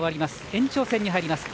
延長戦に入ります。